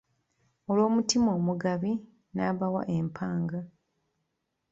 Olw'omutima omugabi na bawa empanga.